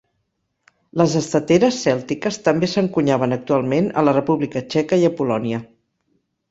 Les estateres cèltiques també s'encunyaven actualment a la República Txeca i a Polònia.